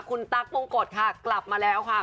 คุณตั๊กมงกฎค่ะกลับมาแล้วค่ะ